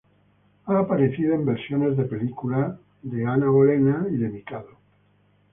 Ha aparecido en versiones de película de "Anna Bolena" y "The Mikado".